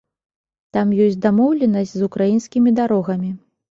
Там ёсць дамоўленасць з украінскімі дарогамі.